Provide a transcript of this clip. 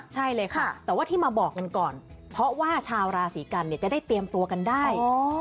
ใช่เลยค่ะแต่ว่าที่มาบอกกันก่อนเพราะว่าชาวราศีกันเนี่ยจะได้เตรียมตัวกันได้